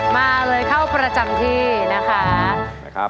มาเลยเข้าประจำที่นะคะ